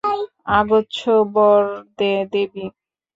আগচ্ছ বরদে দেবি!